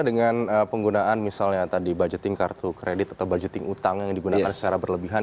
dengan penggunaan misalnya tadi budgeting kartu kredit atau budgeting utang yang digunakan secara berlebihan